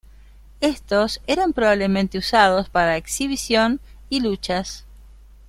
Estos eran probablemente usados para exhibición y luchas.